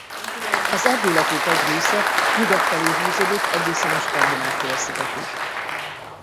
Az erdőlakók egy része nyugat felé húzódott egészen a Skandináv-félszigetig.